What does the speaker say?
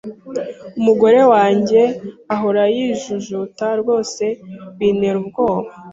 Umugore wanjye ahora yijujuta rwose bintera ubwoba.